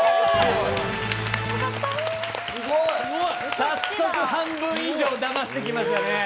早速半分以上騙してきましたね。